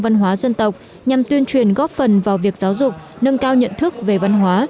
văn hóa dân tộc nhằm tuyên truyền góp phần vào việc giáo dục nâng cao nhận thức về văn hóa